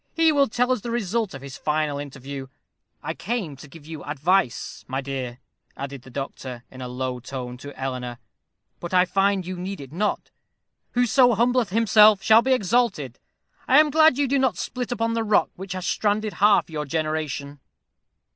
He will tell us the result of his final interview. I came to give you advice, my dear," added the doctor in a low tone to Eleanor; "but I find you need it not. 'Whoso humbleth himself, shall be exalted.' I am glad you do not split upon the rock which has stranded half your generation."